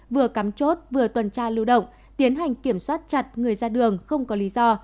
vừa cắm chốt vừa tuần tra lưu động tiến hành kiểm soát chặt người ra đường không có lý do